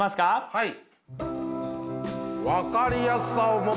はい。